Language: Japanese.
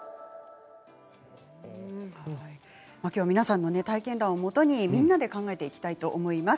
きょうは皆さんの体験談をもとに考えていきたいと思います。